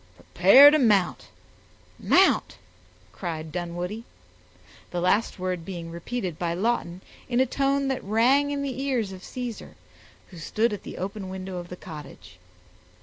"Prepare to mount mount!" cried Dunwoodie; the last word being repeated by Lawton in a tone that rang in the ears of Caesar, who stood at the open window of the cottage.